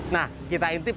nah kita intip bagaimana